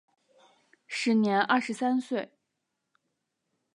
时年二十三岁。